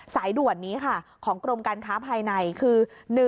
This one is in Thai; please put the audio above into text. สายด่วนนี้ค่ะของกรมการค้าภายในคือ